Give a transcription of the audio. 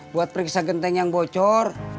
buat periksa genteng yang bocor